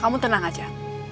kamu tenang saja